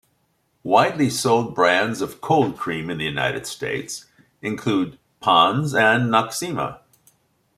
Widely sold brands of cold cream in the United States include Pond's and Noxzema.